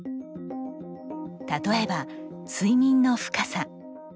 例えば睡眠の深さ。